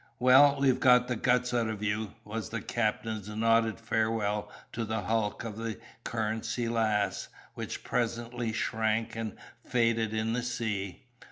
"Well, we've got the guts out of YOU!" was the captain's nodded farewell to the hulk of the Currency Lass, which presently shrank and faded in the sea.